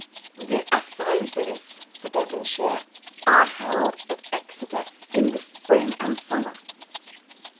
The Assizes for Devonshire are held at Exeter in the spring and summer."